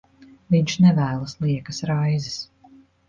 Viņš nevēlas liekas raizes.